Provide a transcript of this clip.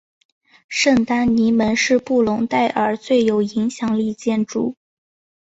圣丹尼门是布隆代尔最有影响力建筑。